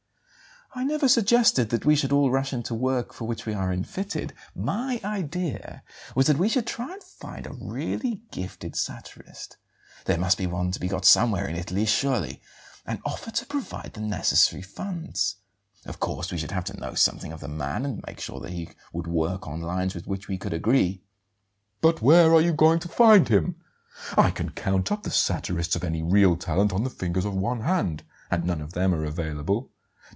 "I never suggested that we should all rush into work for which we are unfitted. My idea was that we should try to find a really gifted satirist there must be one to be got somewhere in Italy, surely and offer to provide the necessary funds. Of course we should have to know something of the man and make sure that he would work on lines with which we could agree." "But where are you going to find him? I can count up the satirists of any real talent on the fingers of one hand; and none of them are available.